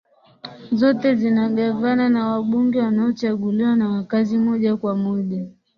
zote zina gavana na wabunge wanaochaguliwa na wakazi moja kwa moja